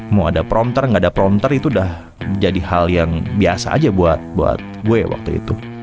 mau ada prompter nggak ada prompter itu udah jadi hal yang biasa aja buat gue waktu itu